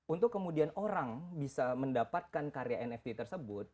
untuk kemudian orang bisa mendapatkan karya nft tersebut